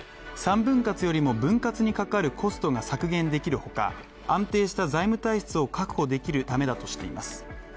３分割よりも分割にかかるコストが削減できる他安定した財務体質を確保できるためだとしています。